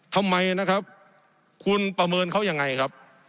ทำไมนะครับคุณประเมินเขายังไงครับ